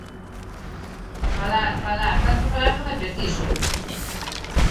Falar, falar, tanto falar non é preciso.